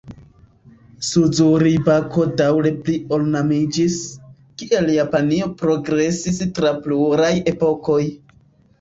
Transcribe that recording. Suzuri-bako daŭre pli-ornamiĝis, kiel Japanio progresis tra pluraj epokoj.